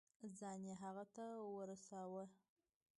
ځان يې هغه ته ورساوه.